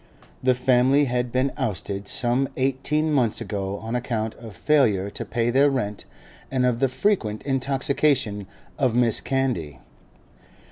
The family had been ousted some eighteen months ago on account of failure to pay their rent and of the frequent intoxication of Mrs. Candy.